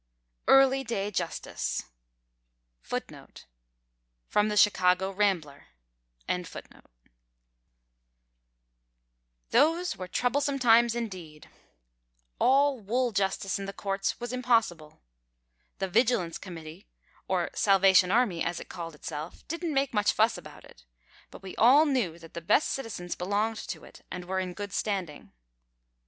Early Day Justice. [Footnote 2: From the Chicago Rambler.] Those were troublesome times, indeed. All wool justice in the courts was impossible. The vigilance committee, or Salvation Army as it called itself, didn't make much fuss about it, but we all knew that the best citizens belonged to it and were in good standing.